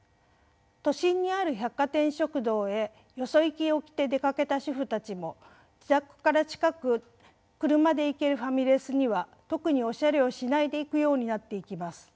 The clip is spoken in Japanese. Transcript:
都心にある百貨店食堂へよそ行きを着て出かけた主婦たちも自宅から近く車で行けるファミレスには特におしゃれをしないで行くようになっていきます。